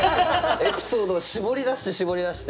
エピソードを絞り出して絞り出して。